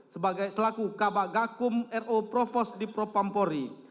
sebagai selaku kabak gakum ro profos dipropampori